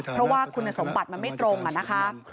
เพราะว่าคุณสมบัติมันไม่ตรงนะคะ